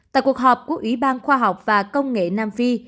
tại cuộc họp của ủy ban khoa học và công nghệ nam phi